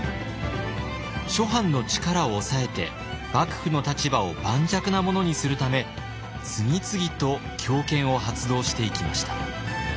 諸藩の力を抑えて幕府の立場を盤石なものにするため次々と強権を発動していきました。